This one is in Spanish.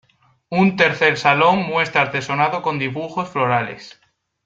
Un tercer salón muestra artesonado con dibujos florales.